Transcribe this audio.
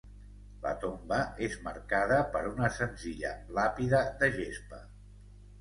La tomba és marcada per una senzilla làpida de gespa.